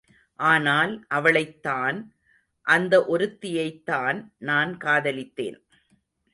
ஆனால், அவளைத்தான்... அந்த ஒருத்தியைத்தான் நான் காதலித்தேன்.